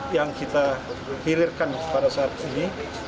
yang kita hilirkan pada saat ini